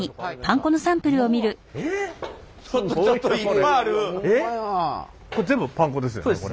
これ全部パン粉ですよね？